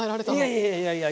いやいやいや。